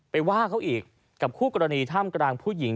ว่าเขาอีกกับคู่กรณีท่ามกลางผู้หญิง